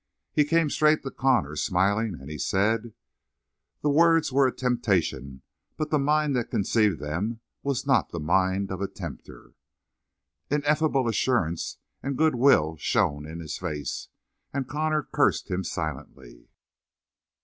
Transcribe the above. He came straight to Connor, smiling, and he said: "The words were a temptation, but the mind that conceived them was not the mind of a tempter." Ineffable assurance and good will shone in his face, and Connor cursed him silently.